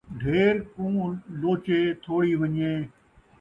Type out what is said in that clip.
ڈھیر کوں لوچے ، تھولی ون٘ڄے